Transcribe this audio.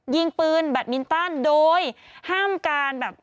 ยิงปืนแบตมินตันโดยห้ามการแบบ